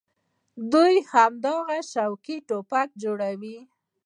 دوى هماغسې شوقي ټوپکې جوړوي.